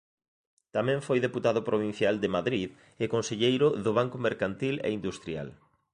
Tamén foi Deputado Provincial de Madrid e Conselleiro do Banco Mercantil e Industrial.